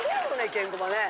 ケンコバねぇ。